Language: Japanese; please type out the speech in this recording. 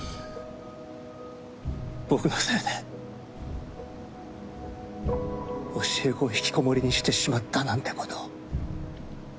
僕のせいで教え子を引きこもりにしてしまったなんてこと。